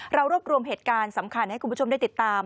เรารวบรวมเหตุการณ์สำคัญให้คุณผู้ชมได้ติดตาม